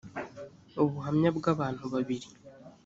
ubuhamya bw abantu babiri